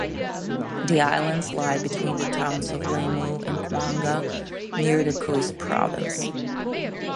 The islands lie between the towns of Lamu and Kiunga, near the Coast Province.